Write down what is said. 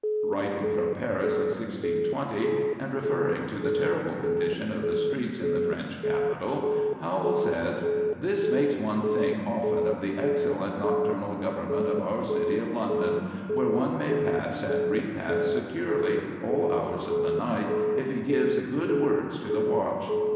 Writing from Paris in 1620, and referring to the terrible condition of the streets in the French capital, Howell says: "This makes one think often of the excellent nocturnal government of our city of London, where one may pass and repass securely all hours of the night, if he gives good words to the watch."